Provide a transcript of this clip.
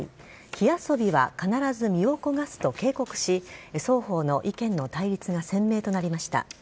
火遊びは必ず身を焦がすと警告し双方の意見の対立が鮮明となりました。